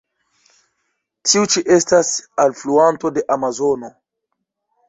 Tiu ĉi estas alfluanto de Amazono.